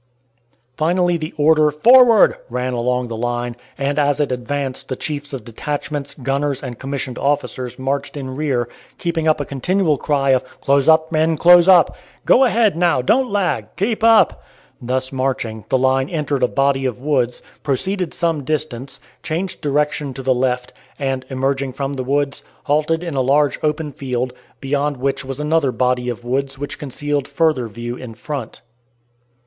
Finally the order "Forward!" ran along the line, and as it advanced the chiefs of detachments, gunners, and commissioned officers marched in rear, keeping up a continual cry of "Close up, men; close up!" "Go ahead, now; don't lag!" "Keep up!" Thus marching, the line entered a body of woods, proceeded some distance, changed direction to the left, and, emerging from the woods, halted in a large open field, beyond which was another body of woods which concealed further view in front.